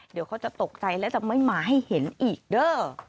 เดี๋ยวเขาจะตกใจและจะไม่มาให้เห็นอีกเด้อ